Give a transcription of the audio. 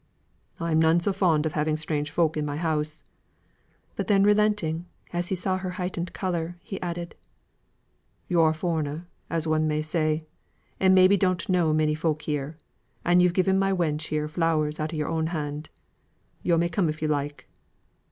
"I'm none so fond of having strange folk in my house." But then relenting, as he saw her heightened colour, he added "Yo're a foreigner, as one may say, and maybe don't know many folk here, and yo've given my wench here flowers out of yo'r own hand; yo may come if yo like."